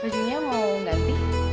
bajunya mau ganti